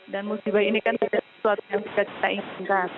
dan musibah ini kan terjadi suatu yang juga kita inginkan